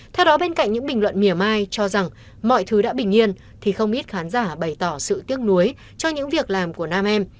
theo đó bên cạnh những bình luận miểu mai cho rằng mọi thứ đã bình yên thì không ít khán giả bày tỏ sự tiếc nuối cho những việc làm của nam em